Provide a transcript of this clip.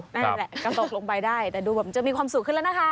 นั่นแหละก็ตกลงไปได้แต่ดูแบบจะมีความสุขขึ้นแล้วนะคะ